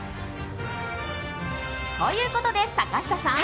ということで坂下さん。